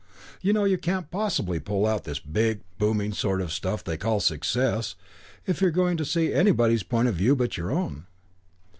You know, you can't possibly pull out this big, booming sort of stuff they call success if you're going to see anybody's point of view but your own.